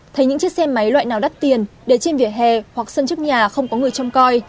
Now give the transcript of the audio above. thấy những chiếc xe máy loại nào đắt tiền để trên vỉa hè hoặc sân trước nhà không có người trông coi